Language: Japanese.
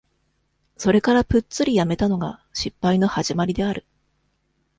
それからプッツリやめたのが、失敗の始まりである。